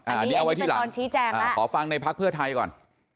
อันนี้เอาไว้ที่หลังขอฟังในพรรคเพื่อไทยก่อน